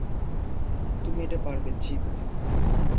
তুমি এটা পারবে, চিপ।